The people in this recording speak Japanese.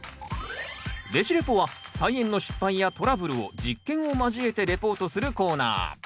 「ベジ・レポ」は菜園の失敗やトラブルを実験を交えてレポートするコーナー。